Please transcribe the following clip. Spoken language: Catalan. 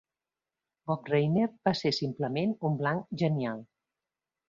Rob Reiner va ser simplement un blanc genial.